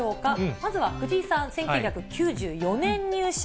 まずは、藤井さん、１９９４年入社。